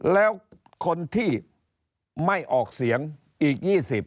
แล้วคนที่ไม่ออกเสียงอีก๒๐